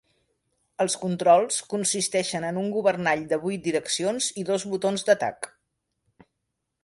Els controls consisteixen en un governall de vuit direccions i dos botons d'atac.